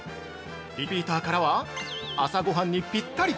リピーターからは「朝ごはんにぴったり！」